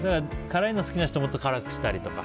辛いの好きな人はもっと辛くしたりとか。